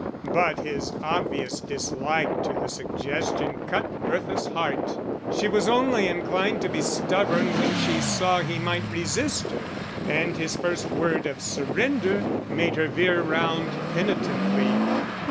But his obvious dislike to the suggestion cut Bertha's heart. She was only inclined to be stubborn when she saw he might resist her; and his first word of surrender made her veer round penitently.